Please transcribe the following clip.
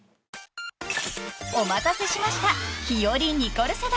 ［お待たせしましたひより・ニコル世代］